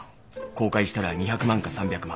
公開したら２００万か３００万。